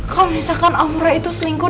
kalo misalkan om roy itu selingkuh